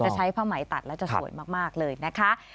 ใช้ผ้าไหมตัดแล้วจะสวยมากเลยนะคะ